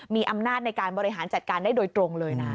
มีอำนาจในการบริหารจัดการได้โดยตรงเลยนะ